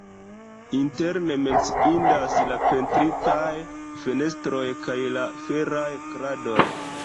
Interne menciindas la pentritaj fenestroj kaj la feraj kradoj.